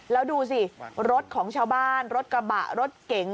แล้วดูสิรถของชาวบ้านรถกระบะรถเก๋ง